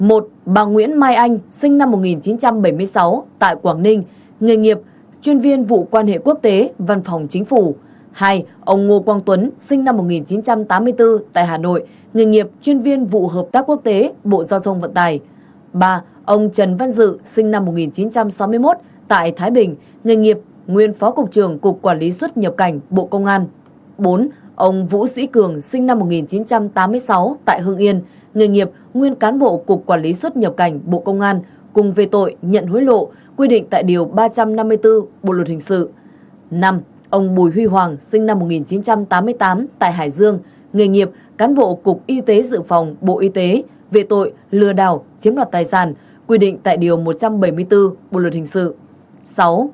năm ông bùi huy hoàng sinh năm một nghìn chín trăm tám mươi tám tại hải dương nghề nghiệp cán bộ cục y tế dự phòng bộ y tế vệ tội lừa đảo chiếm đoạt tài sản quy định tại điều một trăm bảy mươi bốn bộ luật hình sự